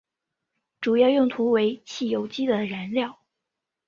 主要用途为汽油机的燃料。